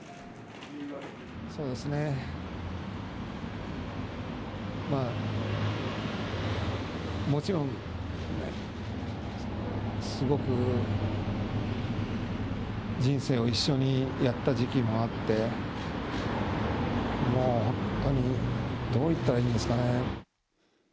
そうですね、もちろんすごく人生を一緒にやった時期もあって、もう本当に、どう言ったらいいんですかね。